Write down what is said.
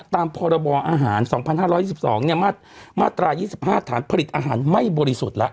ตามพรบอาหาร๒๕๒๒มาตรา๒๕ฐานผลิตอาหารไม่บริสุทธิ์แล้ว